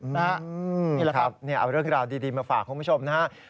นี่แหละครับเอาเรื่องราวดีมาฝากคุณผู้ชมนะครับ